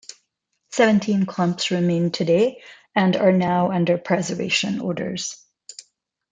Seventeen clumps remain today and are now under preservation orders.